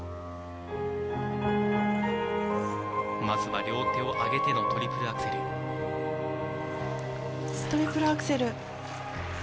まずは両手をあげてのトリプトリプルアクセル。